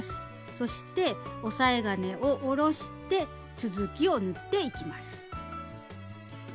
そして押さえ金を下ろして続きを縫っていきます。